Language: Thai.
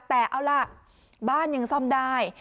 แต่เอาล่ะบ้านยังซ่อมได้